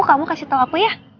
kamu kasih tahu aku ya